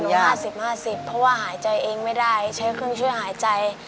อาการหนูห้าสิบห้าสิบเพราะว่าหายใจเองไม่ได้ใช้เครื่องช่วยหายใจ